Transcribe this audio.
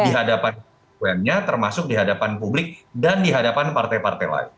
di hadapan ppm nya termasuk di hadapan publik dan di hadapan partai partai lain